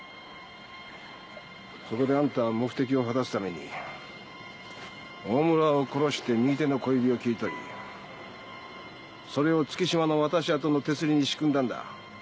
そこであんたは目的を果たすためにオオムラを殺して右手の小指を切り取りそれを月島の渡し跡の手すりに仕組んだんだ。